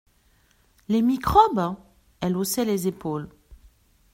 «Les microbes !…» Elle haussait les épaules.